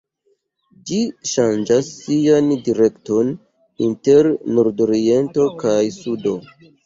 Ĝi ŝanĝas sian direkton inter nordoriento kaj sudo.